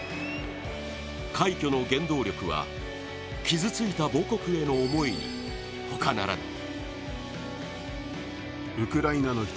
快挙の原動力は傷ついた母国への思いに他ならない。